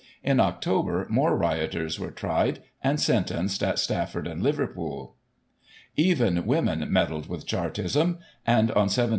In October, more rioters were tried, and sentenced, at Stafford and Liverpool Even women meddled with Chartism, and on 17 Oct.